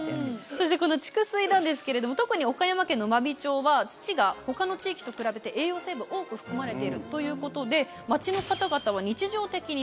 そしてこの竹水なんですけれども特に岡山県の真備町は土が他の地域と比べて栄養成分多く含まれているということで町の方々は。